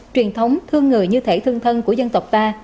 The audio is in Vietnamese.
truyền thống thương người như thể thương thân của dân tộc ta